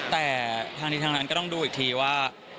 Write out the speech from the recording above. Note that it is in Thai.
แต่ทางนี้ทางนั้นก็ต้องดูอีกทีว่า